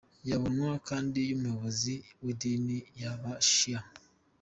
Yabonwa kandi nk'umuyobizi w'idini ry'aba shia.